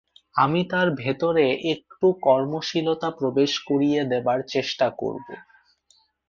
আমি তাঁর ভেতর একটু কর্মশীলতা প্রবেশ করিয়ে দেবার চেষ্টা করব।